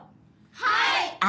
はい！